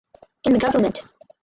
In the Govt.